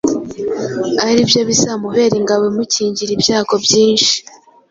ari byo bizamubera ingabo imukingira ibyago byinshi.